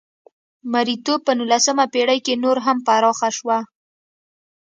مریتوب په نولسمه پېړۍ کې نور هم پراخه شوه.